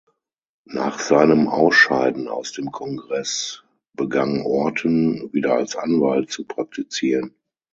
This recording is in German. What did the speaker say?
Nach seinem Ausscheiden aus dem Kongress begann Orton wieder als Anwalt zu praktizieren.